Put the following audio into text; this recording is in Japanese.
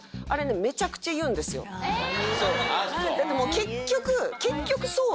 結局。